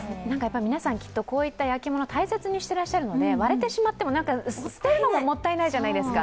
皆さん、きっとこういった焼き物は大切にしているので割れてしまっても捨てるのももったいないじゃないですか。